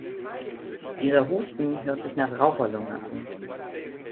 Dieser Husten hört sich nach Raucherlunge an.